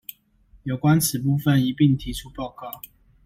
有關此部分一併提出報告